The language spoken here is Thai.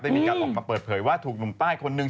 ได้มีการออกมาเปิดเผยว่าถูกหนุ่มใต้คนนึง